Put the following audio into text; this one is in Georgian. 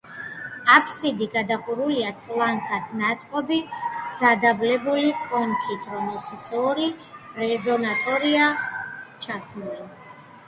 აფსიდი გადახურულია ტლანქად ნაწყობი დადაბლებული კონქით, რომელშიც ორი რეზონატორია ჩასმული.